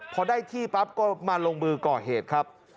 พอได้ที่ปั๊บก็มาลงมือก่อเหตุครับ